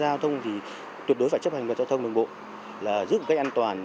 giảm giao thông thì tuyệt đối phải chấp hành giao thông đồng bộ giữ cách an toàn